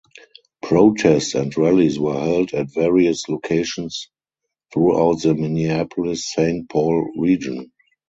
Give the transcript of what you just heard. Protests and rallies were held at various locations throughout the Minneapolis–Saint Paul region.